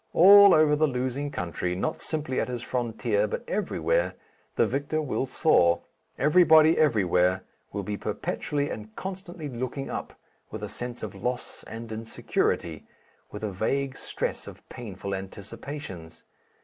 All over the losing country, not simply at his frontier but everywhere, the victor will soar. Everybody everywhere will be perpetually and constantly looking up, with a sense of loss and insecurity, with a vague stress of painful anticipations.